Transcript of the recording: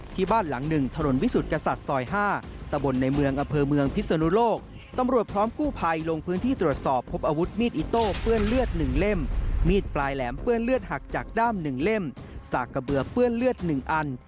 จากด้ามหนึ่งเล่มสากกระเบือเปื้อนเลือดหนึ่งอัน